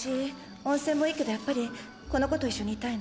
温泉もいいけどやっぱりこの子と一緒にいたいの。